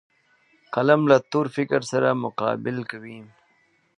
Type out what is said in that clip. قلم له تور فکر سره مقابل کوي